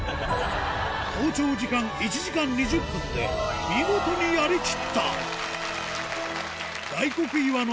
登頂時間１時間２０分で、見事にやり切った。